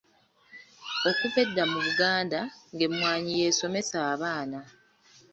Okuva edda mu Buganda ng'emmwanyi y'esomesa abaana.